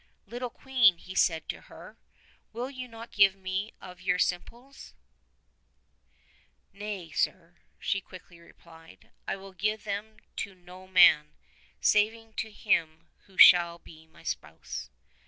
"Little queen," he said to her, "will you not give me of your simples ?" "Nay, sir," she quickly replied, "I will give them to no man — saving to him who shall be my spouse."